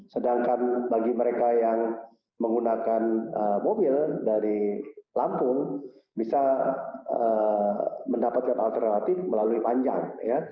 sedangkan bagi mereka yang menggunakan mobil dari lampung bisa mendapatkan alternatif melalui panjang